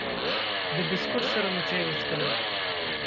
د بسکوټ سره مو چای وڅښلې.